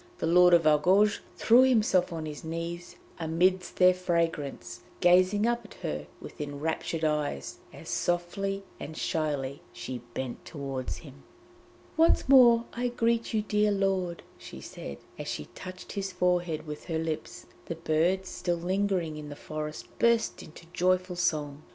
The Lord of Argouges threw himself on his knees amidst their fragrance, gazing up at her with enraptured eyes, as softly and shyly she bent toward him. 'Once more I greet you, dear lord!' she said, and as she touched his forehead with her lips, the birds still lingering in the forest burst into joyful song.